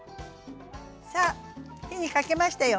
さあ火にかけましたよ。